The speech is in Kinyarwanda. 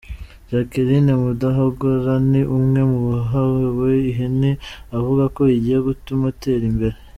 Jacquiline Mudahogora ni umwe mu bahawe Ihene, avuga ko igiye gutuma atera imbere.